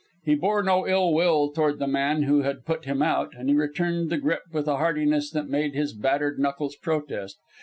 He bore no ill will toward the man who had put him out and he returned the grip with a heartiness that made his battered knuckles protest.